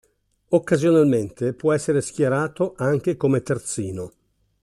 Occasionalmente può essere schierato anche come terzino.